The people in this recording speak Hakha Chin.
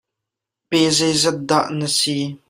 Pee zeizat dah na si?